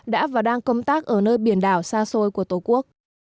đã và đang công tác ở nơi biển đảo xa xôi của tổ quốc